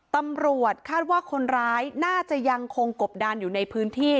ตำรวจคาดว่าคนร้ายน่าจะยังคงกบดานอยู่ในพื้นที่